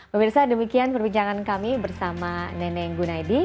pemirsa demikian perbincangan kami bersama neneng gunaidi